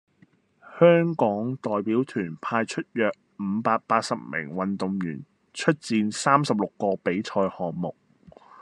香港代表團派出約五百八十名運動員出戰三十六個比賽項目